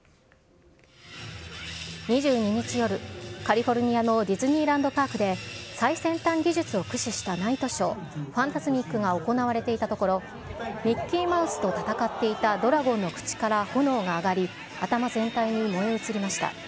２２日夜、カリフォルニアのディズニーランド・パークで最先端技術を駆使したナイトショー、ファンタズミック！が行われていたところ、ミッキーマウスと戦っていたドラゴンの口から炎が上がり、頭全体に燃え移りました。